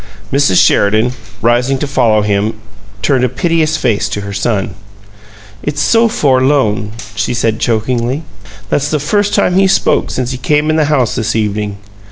Mrs. Sheridan, rising to follow him, turned a piteous face to her son. "It's so forlone," she said, chokingly. "That's the first time he spoke since he came in the house this evening.